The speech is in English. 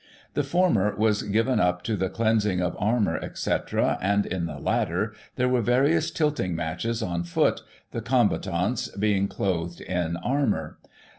The former was given up to the cleansing of armour, etc, and, in the latter, there were various tilting matches on foot, the combatants being clothed in armour.